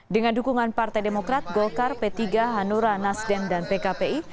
dengan dukungan partai demokrat golkar p tiga hanura nasdem dan pkpi